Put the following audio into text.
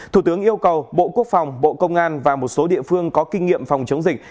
thủ tướng yêu cầu bộ quốc phòng bộ công an và một số địa phương có kinh nghiệm phòng chống dịch